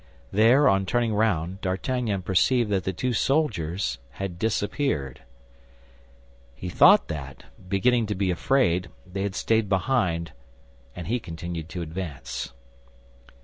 There, on turning round, D'Artagnan perceived that the two soldiers had disappeared. He thought that, beginning to be afraid, they had stayed behind, and he continued to advance.